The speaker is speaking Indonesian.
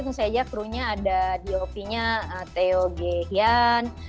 jadi misalnya crew nya ada dop nya theo g hian